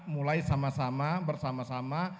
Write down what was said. mulai sama sama bersama sama